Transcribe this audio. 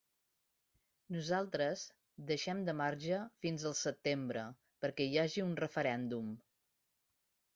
Nosaltres deixem de marge fins al setembre perquè hi hagi un referèndum.